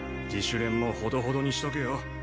自主練もほどほどにしとけよ。